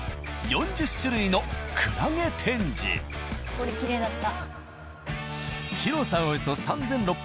これきれいだった。